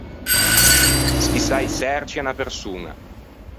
Schissâ i çerci à unna persoña.